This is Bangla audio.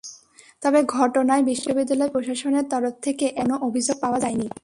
তবে ঘটনায় বিশ্ববিদ্যালয় প্রশাসনের তরফ থেকে এখনো কোনো অভিযোগ পাওয়া যায়নি।